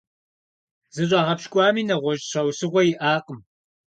ЗыщӀагъэпщкӀуами нэгъуэщӀ щхьэусыгъуэ иӀакъым.